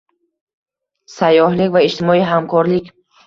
Sayyohlik va ijtimoiy hamkorlik